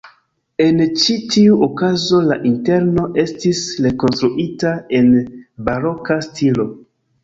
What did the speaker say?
En ĉi tiu okazo la interno estis rekonstruita en baroka stilo.